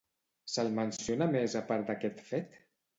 Se'l menciona més a part d'aquest fet?